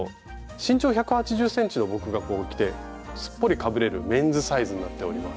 身長１８０ｃｍの僕がこう着てすっぽりかぶれるメンズサイズになっております。